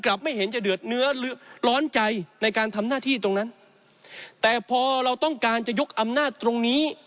ร้อนใจในการทำหน้าที่ตรงนั้นแต่พอเราต้องการจะยกอำนาจตรงนี้